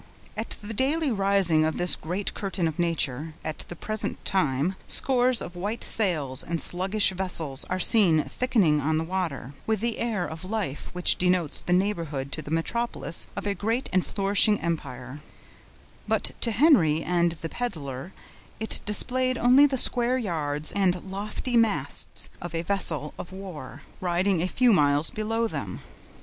At the daily rising of this great curtain of nature, at the present time, scores of white sails and sluggish vessels are seen thickening on the water, with that air of life which denotes the neighborhood to the metropolis of a great and flourishing empire; but to Henry and the peddler it displayed only the square yards and lofty masts of a vessel of war, riding a few miles below them.